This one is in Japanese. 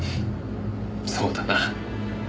そうだな。